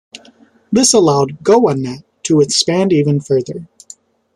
This allowed Goanet to expand even further.